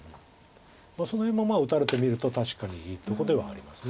その辺も打たれてみると確かにいいとこではあります。